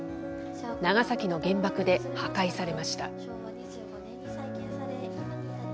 長崎の原爆で、破壊されました。